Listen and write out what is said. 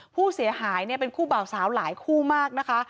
ผู้เสียหายเนี่ยเป็นคู่เปล่าสาวหลายคู่มากนะคะ